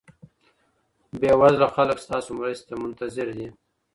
بیوزله خلګ ستاسو مرستې ته منتظر دي.